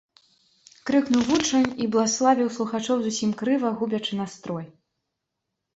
— крыкнуў вучань і блаславіў слухачоў зусім крыва, губячы настрой.